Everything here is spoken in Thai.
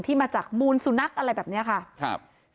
ที่มาจากมูลสุนัขอะไรแบบนี้ค่ะ